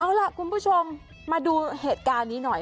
เอาล่ะคุณผู้ชมมาดูเหตุการณ์นี้หน่อย